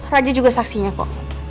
raja juga saksinya kok